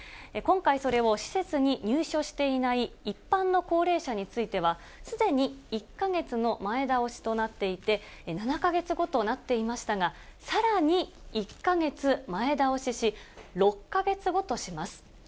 今回、それを施設に入所していない一般の高齢者については、すでに１か月の前倒しとなっていて、７か月後となっていましたが、さらに１か月前倒しし、６か月後とします。